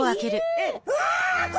えっ！